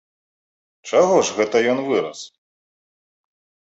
Чаго ж гэта ён вырас?